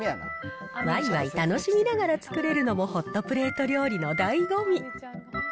わいわい楽しみながら作れるのもホットプレート料理のだいご味。